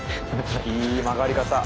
いい曲がり方。